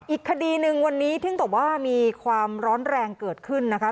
อีกคดีหนึ่งวันนี้ถึงกับว่ามีความร้อนแรงเกิดขึ้นนะคะ